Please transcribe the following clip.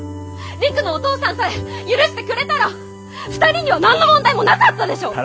陸のお父さんさえ許してくれたら２人には何の問題もなかったでしょう！？